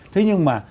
thế nhưng mà